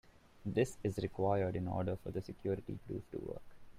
This is required in order for the security proof to work.